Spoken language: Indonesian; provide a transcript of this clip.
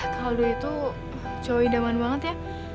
kaldu itu cowok idaman banget ya